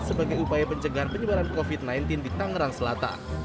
sebagai upaya pencegahan penyebaran covid sembilan belas di tangerang selatan